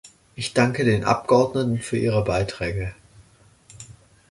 Ich danke den Abgeordneten für Ihre Beiträge.